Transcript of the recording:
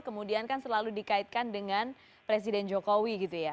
kemudian kan selalu dikaitkan dengan presiden jokowi gitu ya